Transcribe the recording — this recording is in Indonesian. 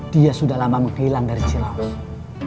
dia sudah lama menghilang dari silakan